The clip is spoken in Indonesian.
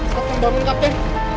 kapten bangun kapten